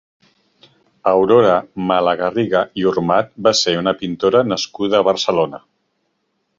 Aurora Malagarriga i Ormart va ser una pintora nascuda a Barcelona.